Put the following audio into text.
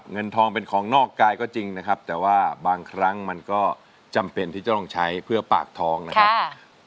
เงินทองเป็นของนอกกายก็จริงนะครับแต่ว่าบางครั้งมันก็จำเป็นที่จะต้องใช้เพื่อปากท้องนะครับ